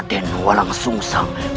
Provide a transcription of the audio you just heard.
dan langkah selanjutnya